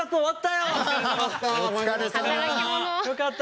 よかった！